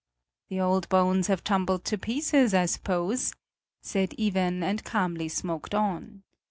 "The old bones have tumbled to pieces, I suppose," said Iven and calmly smoked on.